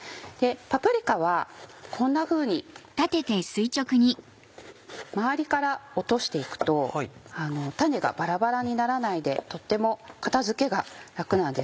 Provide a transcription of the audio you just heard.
パプリカはこんなふうに周りから落として行くと種がバラバラにならないでとっても片付けが楽なんですよね。